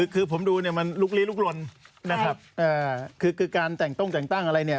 คือผมดูเนี่ยมันลุกลี้ลุกลนนะครับคือการแต่งต้องแต่งตั้งอะไรเนี่ย